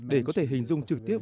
để có thể hình dung trực tiếp